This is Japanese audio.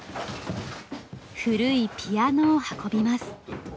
古いピアノを運びます。